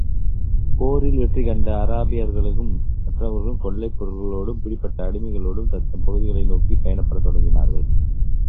போரில் வெற்றி கண்ட அராபியர்களும் மற்றவர்களும் கொள்ளைப் பொருள்களோடும், பிடிபட்ட அடிமைகளோடும் தத்தம் பகுதிகளை நோக்கிப் பயணப்படத் தொடங்கினார்கள்.